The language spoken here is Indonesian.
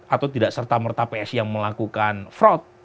atau tidak serta merta psi yang melakukan fraud